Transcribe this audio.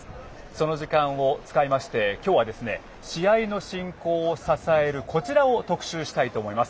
その時間を使いまして、今日は試合の進行を支えるこちらを特集したいと思います。